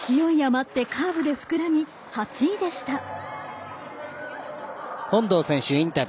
勢い余ってカーブで膨らみ８位でした。